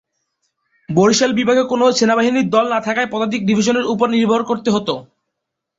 বরিশাল বিভাগে কোন সেনাবাহিনীর দল না থাকায় পদাতিক ডিভিশনের উপর নির্ভর করতে হত।